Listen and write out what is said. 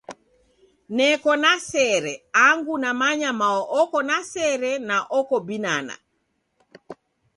Neko na sere, angu namanya mao oko na sere na oko binana.